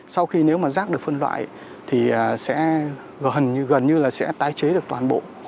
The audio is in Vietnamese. sau khi nếu mà rác được phân loại thì sẽ gần như là sẽ tái chế được toàn bộ